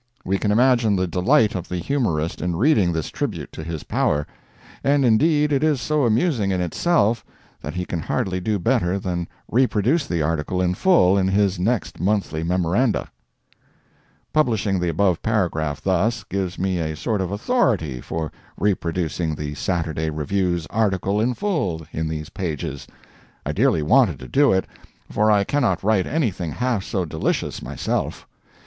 We can imagine the delight of the humorist in reading this tribute to his power; and indeed it is so amusing in itself that he can hardly do better than reproduce the article in full in his next monthly Memoranda. [Publishing the above paragraph thus, gives me a sort of authority for reproducing the "Saturday Review's" article in full in these pages. I dearly wanted to do it, for I cannot write anything half so delicious myself.